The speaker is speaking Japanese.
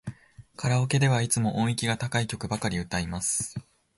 カラオケではいつも音域が高い曲ばかり歌います。